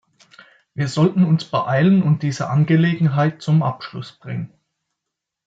Wir sollten uns beeilen und diese Angelegenheit zum Abschluss bringen.